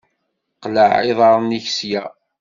Qleɛ iḍaṛṛen-ik sya!